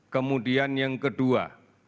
kemudian yang kedua